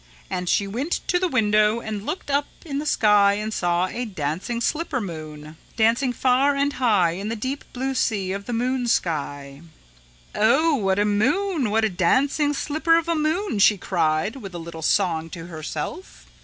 And she went to the window and looked up in the sky and saw a Dancing Slipper Moon dancing far and high in the deep blue sea of the moon sky. "'Oh what a moon what a dancing slipper of a moon!' she cried with a little song to herself.